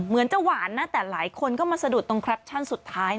เหมือนจะหวานนะแต่หลายคนก็มาสะดุดตรงแคปชั่นสุดท้าย